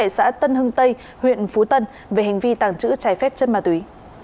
xã tân hưng tây huyện phú tân về hành vi tàng trữ trái phép chất ma túy